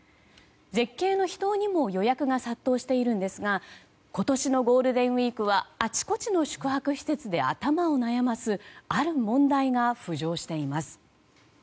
絶景の秘湯にも予約が殺到しているんですが今年のゴールデンウィークはあちこちの宿泊施設で頭を悩ますある問題が浮上しています。